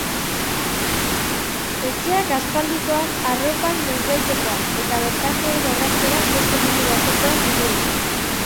Etxeak aspaldikoak, arropak noizbaitekoak, eta bertakoen orrazkerak beste mundu batekoak dirudite.